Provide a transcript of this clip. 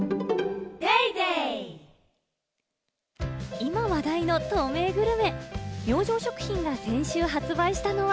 今話題の透明グルメ、明星食品が先週発売したのは。